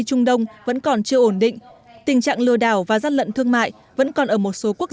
trung đông vẫn còn chưa ổn định tình trạng lừa đảo và gian lận thương mại vẫn còn ở một số quốc